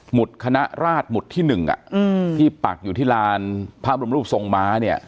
คณะราชหมุดที่๑ที่ปักอยู่ที่ลานพระบรมรูปทรงม้าเนี่ย